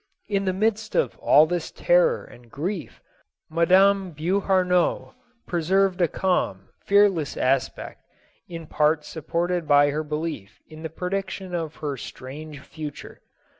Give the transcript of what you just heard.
In the midst of all this terror and grief, Madame Beauharnois preserved a calm, fearless aspect, in part supported by her belief in the prediction of her strange future.